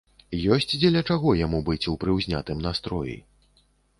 Ёсць дзеля чаго яму быць у прыўзнятым настроі.